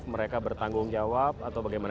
mereka bertanggung jawab atau bagaimana